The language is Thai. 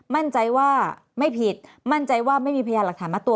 มั่นใจว่าไม่ผิดมั่นใจว่าไม่มีพยานหลักฐานมัดตัว